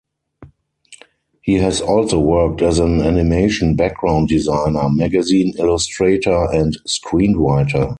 He has also worked as an animation background designer, magazine illustrator and screenwriter.